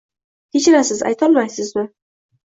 Kechirasiz, aytolmaysizmi?